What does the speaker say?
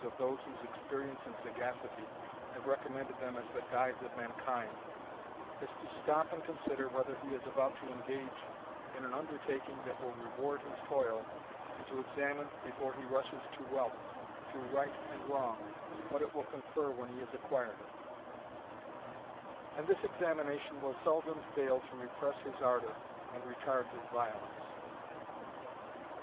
of those whose experience and sagacity have recommended them as the guides of mankind, as to stop and consider whether he is about to engage in an undertaking that will reward his toil, and to examine, before he rushes to wealth, through right and wrong, what it will confer when he has acquired it; and this examination will seldom fail to repress his ardour, and retard his violence.